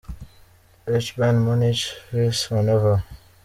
h Bayern München Vs Hannover .